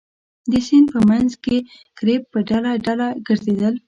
د سیند په منځ کې ګرېب په ډله ډله ګرځېدل.